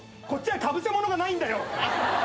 こっちはかぶせ物がないんだよ。